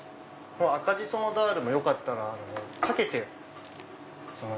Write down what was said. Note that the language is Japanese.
赤じそのダールもよかったらかけて。